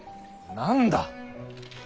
何だ。